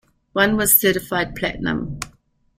One was certified Platinum.